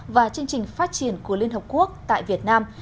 và chương trình phát triển của liên hợp quốc tại việt nam